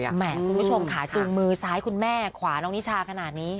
แหมคุณผู้ชมขาจูงมือซ้ายคุณแม่ขวาน้องนิชาขนาดนี้